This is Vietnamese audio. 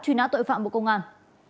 truy nã tội phạm bộ công an